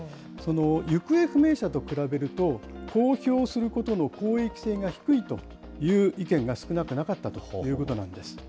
行方不明者と比べると、公表することの公益性が低いという意見が少なくなかったということなんです。